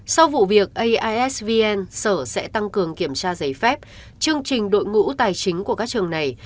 sau vụ việc aisvn sở sẽ tăng cường kiểm tra giấy phép chương trình đội ngũ tài chính của các trường này